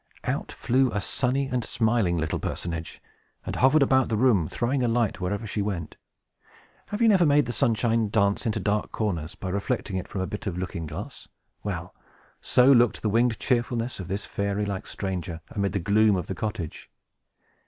Out flew a sunny and smiling little personage, and hovered about the room, throwing a light wherever she went. Have you never made the sunshine dance into dark corners, by reflecting it from a bit of looking glass? Well, so looked the winged cheerfulness of this fairy like stranger, amid the gloom of the cottage.